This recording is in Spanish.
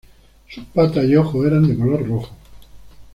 Sus patas y ojos eran de color rojo.